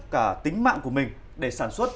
cả tính mạng của mình để sản xuất